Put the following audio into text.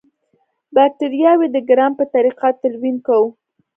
باکټریاوې د ګرام په طریقه تلوین کوو.